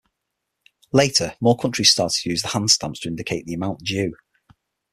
Later more countries started to use handstamps to indicate the amount due.